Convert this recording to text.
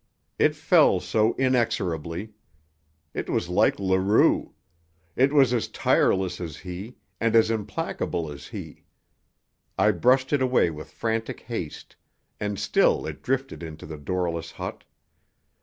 It fell so inexorably. It was like Leroux. It was as tireless as he, and as implacable as he. I brushed it away with frantic haste, and still it drifted into the doorless hut.